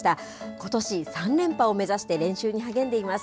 ことし３連覇を目指して練習に励んでいます。